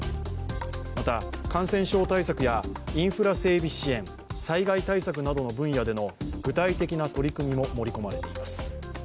また、感染症対策やインフラ整備支援、災害対策などの分野での具体的な取り組みも盛り込まれています。